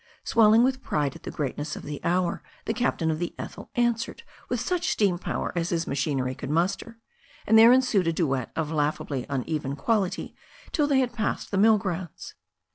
Swelling with pride at the greatness of the hour, the captain of the Ethel answered with such steam power as his machinery could muster, and there ensued a duet of laugh ably uneven quality till they had passed the mill grounds.